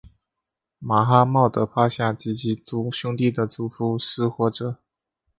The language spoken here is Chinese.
马哈茂德帕夏及其兄弟的祖父是或者。